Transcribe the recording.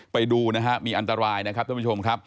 ไปดูนะฮะมีอันตรายนะครับท่านผู้ชมครับ